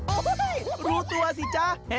โอ้โหรู้ตัวสิจ๊ะ